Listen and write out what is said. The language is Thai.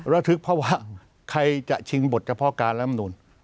ระทึกเพราะว่าใครจะชิงบทเฉพาะการลำนูน